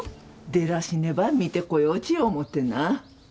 デラシネば見てこようち思ってな。